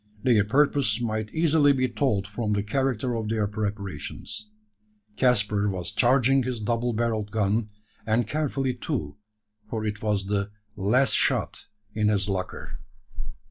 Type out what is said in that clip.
Their purpose might easily be told from the character of their preparations. Caspar was charging his double barrelled gun; and carefully too for it was the "last shot in his locker."